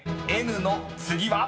［「ｎ」の次は］